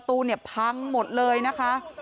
สวัสดีครับทุกคน